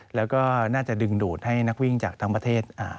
แล้วก็น่าจะดึงดูดให้นักวิ่งจากทั้งประเทศ